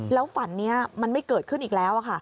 แล้วฝันนี้มันไม่เกิดขึ้นอีกแล้วค่ะ